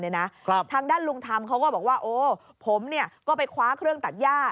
ทางด้านลุงธรรมเขาก็บอกว่าโอ้ผมเนี่ยก็ไปคว้าเครื่องตัดย่า